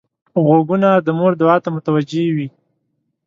غوږونه د مور دعا ته متوجه وي